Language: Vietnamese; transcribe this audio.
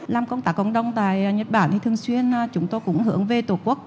làm công tác cộng đồng tại nhật bản thì thường xuyên chúng tôi cũng hướng về tổ quốc